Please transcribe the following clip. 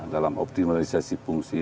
dalam optimalisasi fungsi